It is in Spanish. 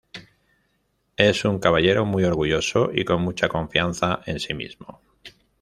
Es un caballero muy orgulloso y con mucha confianza en sí mismo.